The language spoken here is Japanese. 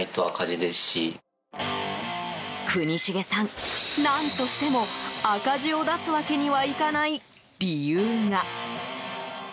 国重さん、何としても赤字を出すわけにはいかない理由が。